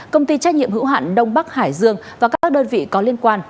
công ty trách nhiệm hữu hạn đông bắc hải dương và các đơn vị có liên quan